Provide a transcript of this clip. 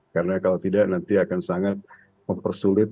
karena kalau tidak nanti akan sangat mempersulit